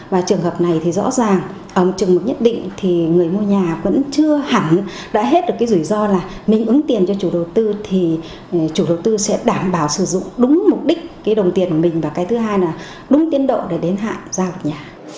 và trường hợp này thì rõ ràng ở trường hợp nhất định thì người mua nhà vẫn chưa hẳn đã hết được cái rủi ro là mình ứng tiền cho chủ đầu tư thì chủ đầu tư sẽ đảm bảo sử dụng đúng mục đích cái đồng tiền của mình và cái thứ hai là đúng tiến độ để đến hạn giao được nhà